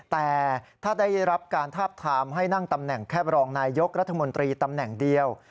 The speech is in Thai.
แต่ถ้าได้รับการทาบทามให้นั่งตำแหน่งแค่บรองนายยกรัฐมนตรีตำแหน่งเดียว